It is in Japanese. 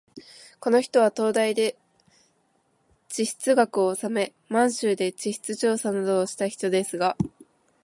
この人は東大で地質学をおさめ、満州で地質調査などをした人ですが、